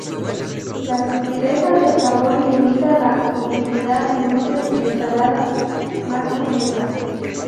La sutileza del sabor limita su utilidad en dulces y ensaladas más complejas.